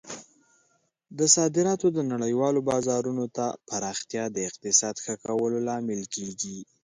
د صادراتو د نړیوالو بازارونو ته پراختیا د اقتصاد ښه کولو لامل کیږي.